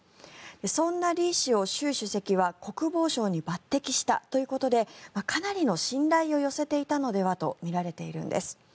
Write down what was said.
そんなリ氏を習主席は国防相に抜てきしたということでかなりの信頼を寄せていたのではとみられているんです。